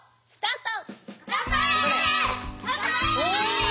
スタート！